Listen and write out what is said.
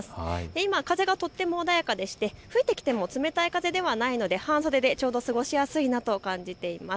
今、風がとっても穏やかでして吹いてきても冷たい風ではないので半袖でちょうど過ごしやすいなと感じています。